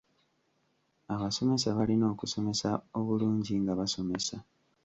Abasomesa balina okusomesa obulungi nga basomesa.